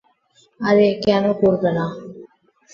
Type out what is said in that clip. আরে কেন করবে না?